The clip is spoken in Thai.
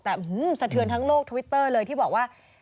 แต่สะเทือนทั้งโลกทวิตเตอร์เลยที่บอกว่า